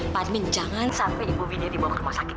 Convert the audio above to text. panik jangan sampai bu widya dibawa ke rumah sakit